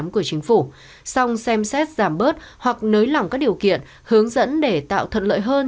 của chính phủ song xem xét giảm bớt hoặc nới lỏng các điều kiện hướng dẫn để tạo thuận lợi hơn